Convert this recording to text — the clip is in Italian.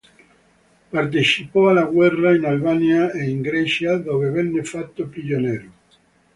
Partecipò alla guerra in Albania e in Grecia, dove venne fatto prigioniero.